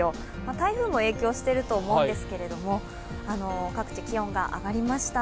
台風も影響してると思うんですけれども各地、気温が上がりました。